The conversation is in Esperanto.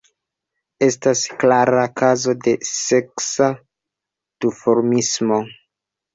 Estas klara kazo de seksa duformismo.